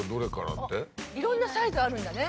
いろんなサイズあるんだね。